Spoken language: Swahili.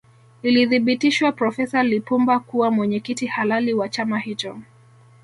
Ilithibitishwa profesa Lipumba kuwa mwenyekiti halali wa chama hicho